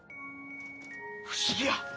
不思議や！